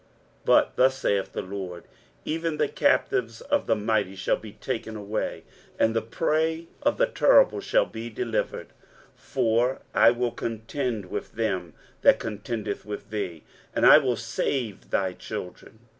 23:049:025 But thus saith the LORD, Even the captives of the mighty shall be taken away, and the prey of the terrible shall be delivered: for I will contend with him that contendeth with thee, and I will save thy children.